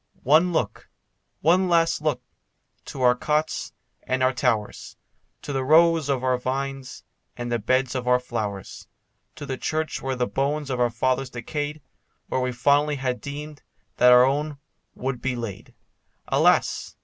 One look, one last look, to our cots and our towers, To the rows of our vines, and the beds of our flowers, To the church where the bones of our fathers decayed, Where we fondly had deemed that our own would be laid. Alas!